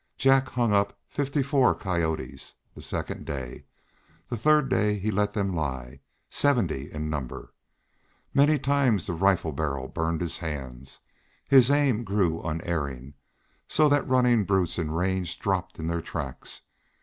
Jack hung up fifty four coyotes the second day; the third he let them lie, seventy in number. Many times the rifle barrel burned his hands. His aim grew unerring, so that running brutes in range dropped in their tracks.